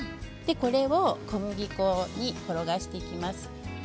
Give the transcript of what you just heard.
これを小麦粉に転がしていきます。